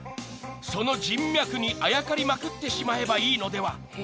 ［その人脈にあやかりまくってしまえばいいのでは？］